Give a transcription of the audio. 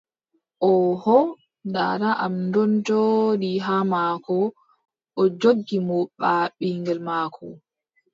Oooho. Daada am ɗon jooɗi haa maako, o joggi mo baa ɓinŋgel maako.